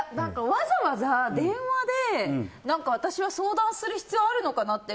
わざわざ電話で私は相談する必要あるのかなって。